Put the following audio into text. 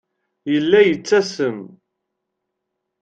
Yella yettasem.